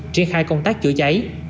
triển khai công tác chữa cháy